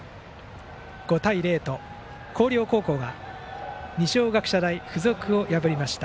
５対０と広陵高校が二松学舎大付属を破りました